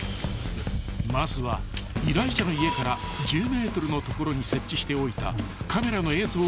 ［まずは依頼者の家から１０ｍの所に設置しておいた］